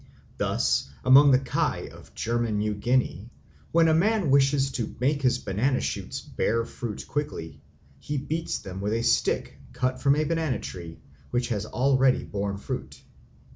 Thus among the Kai of German New Guinea, when a man wishes to make his banana shoots bear fruit quickly, he beats them with a stick cut from a banana tree which has already borne fruit.